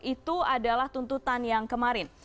itu adalah tuntutan yang kemarin